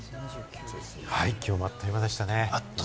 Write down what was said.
きょうもあっという間でしたね。